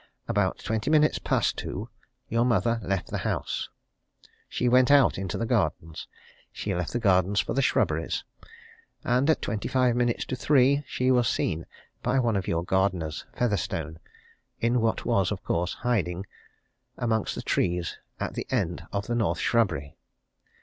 About twenty minutes past two your mother left the house. She went out into the gardens. She left the gardens for the shrubberies. And at twenty five minutes to three, she was seen by one of your gardeners, Featherstone, in what was, of course, hiding, amongst the trees at the end of the north shrubbery.